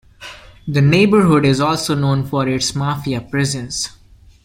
The neighborhood is also known for its mafia presence.